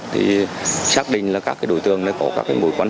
thì xác định là các đối tượng này có các mối quan hệ